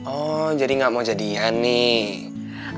oh jadi gak mau jadian nih